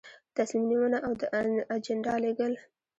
تصمیم نیونه او د اجنډا لیږل.